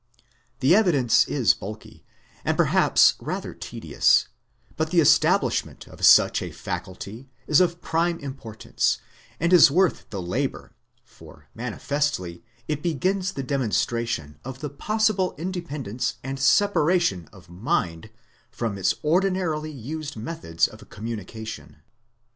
The evidence is bulky, and perhaps rather tedious, but the establishment of such a faculty is of prime importance, and is worth the labour, for manifestly it begins the demonstration of the possible independence and separation of mind from its ordinarily used methods of communication.